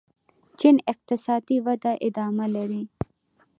چین اقتصادي وده ادامه لري.